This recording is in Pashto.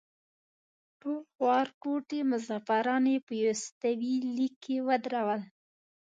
ټول خوارکوټي مسافران په یوستوي لیک کې ودرول.